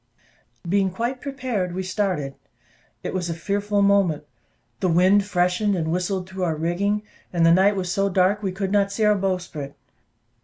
Being quite prepared, we started. It was a fearful moment; the wind freshened, and whistled through our rigging, and the night was so dark, that we could not see our bowsprit.